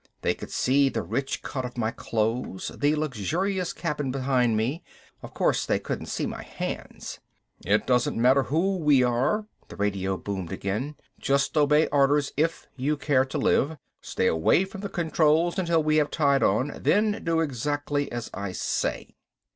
They could see the rich cut of my clothes, the luxurious cabin behind me. Of course they couldn't see my hands. "It doesn't matter who we are," the radio boomed again. "Just obey orders if you care to live. Stay away from the controls until we have tied on, then do exactly as I say."